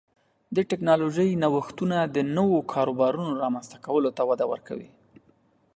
د ټکنالوژۍ نوښتونه د نوو کاروبارونو رامنځته کولو ته وده ورکوي.